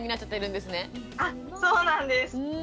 あそうなんです！